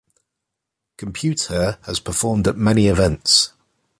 ComputeHer has performed at many events.